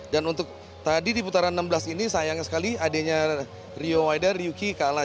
dan untuk tadi di putaran enam belas ini sayang sekali adeknya rio waida ryuki kalah